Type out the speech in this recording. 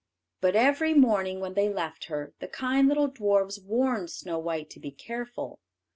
But every morning when they left her, the kind little dwarfs warned Snow white to be careful.